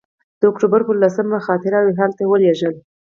د اکتوبر پر لسمه خاطره روهیال ته ولېږله.